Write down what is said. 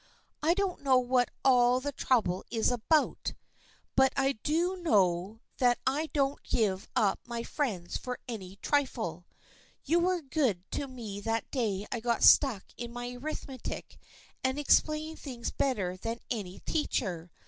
I don't know what all the trouble is about, but I do know that I don't give up my friends for any trifle. You were good to me that day I got stuck in my arithmetic and ex plained things better than any teacher.